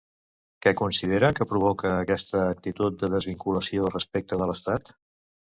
Què considera que provoca aquesta actitud de desvinculació respecte de l'estat?